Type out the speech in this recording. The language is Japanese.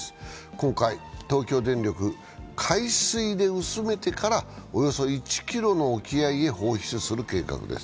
今回、東京電力は海水で薄めてからおよそ１ｋｍの沖合へ放出する計画です。